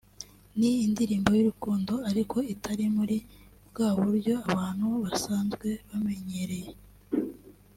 ni indirimbo y’urukundo ariko itari muri bwa buryo abantu basanzwe bamenyereye